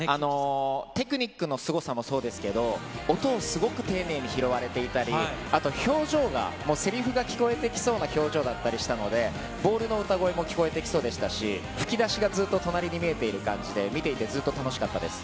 テクニックのすごさもそうですけど、音をすごく丁寧に拾われていたり、あと表情が、もうせりふが聞こえてきそうな表情だったりしたので、ボールの歌声も聴こえてきそうでしたし、吹き出しがずっと隣に見えて感じで、見ていてずっと楽しかったです。